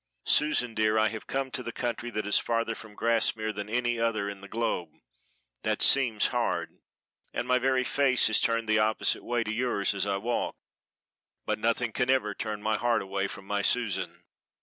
Susan dear, I have come to the country that is farther from Grassmere than any other in the globe that seems hard; and my very face is turned the opposite way to yours as I walk, but nothing can ever turn my heart away from my Susan.